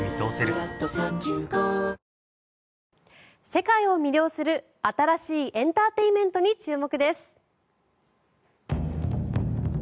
世界を魅了する新しいエンターテインメントに注目です。